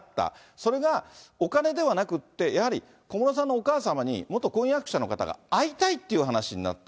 それがお金ではなくって、やはり小室さんのお母様に元婚約者の方が会いたいっていう話になった。